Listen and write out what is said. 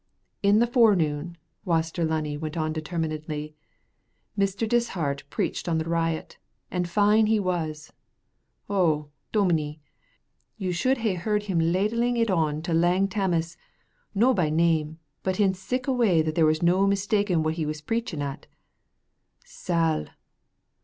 "In the forenoon," Waster Lunny went on determinedly, "Mr. Dishart preached on the riot, and fine he was. Oh, dominie, you should hae heard him ladling it on to Lang Tammas, no by name, but in sic a way that there was no mistaking wha he was preaching at. Sal!